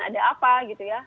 ada apa gitu ya